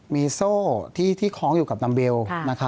มีโซ่ที่คล้องอยู่กับดำเบลแล้วก็